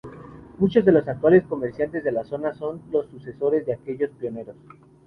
Muchos de los actuales comerciantes de la zona son los sucesores de aquellos pioneros.